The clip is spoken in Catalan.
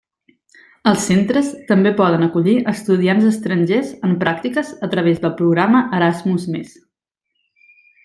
Els centres també poden acollir estudiants estrangers en pràctiques a través del programa Erasmus+.